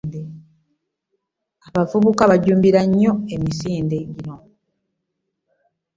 Abavubuka bajumbira nnyo emisinde gino.